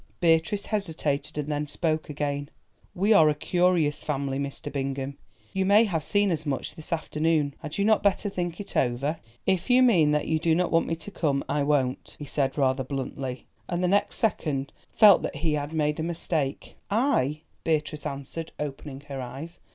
Beatrice hesitated, and then spoke again. "We are a curious family, Mr. Bingham; you may have seen as much this afternoon. Had you not better think it over?" "If you mean that you do not want me to come, I won't," he said rather bluntly, and next second felt that he had made a mistake. "I!" Beatrice answered, opening her eyes.